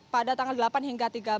pada tanggal delapan hingga tiga belas